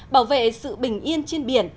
bảo vệ sự bình yên trên biển